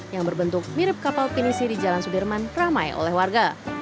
yang berbentuk mirip kapal pinisi di jalan sudirman ramai oleh warga